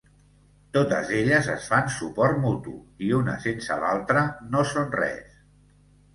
Totes elles es fan suport mutu i una sense l'altra no són res.